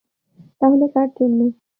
তাহলে কার জন্য?